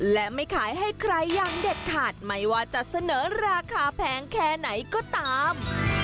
และไม่ขายให้ใครอย่างเด็ดขาดไม่ว่าจะเสนอราคาแพงแค่ไหนก็ตาม